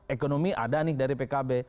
ekonomi ada nih dari pkb